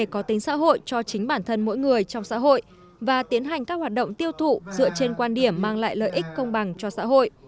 người tiêu dùng tự mình xem xét các vấn đề có tính xã hội cho chính bản thân mỗi người trong xã hội và tiến hành các hoạt động tiêu thụ dựa trên quan điểm mang lại lợi ích công bằng cho xã hội